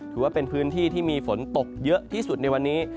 ถือว่าเป็นพื้นที่ที่มีฝนตกเยอะที่สุดในวันนี้